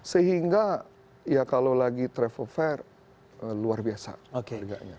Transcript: sehingga ya kalau lagi travel fair luar biasa harganya